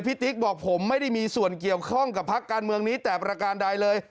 ติ๊กบอกผมไม่ได้มีส่วนเกี่ยวข้องกับพักการเมืองนี้แต่ประการใดเลย